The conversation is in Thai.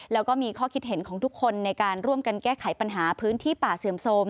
แล้วก็มีข้อคิดเห็นของทุกคนในการร่วมกันแก้ไขปัญหาพื้นที่ป่าเสื่อมโทรม